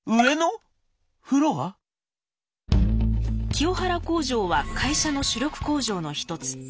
清原工場は会社の主力工場の一つ。